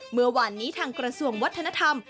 เมื่อวานนี้ทางกระทรวงวัฒนธรรม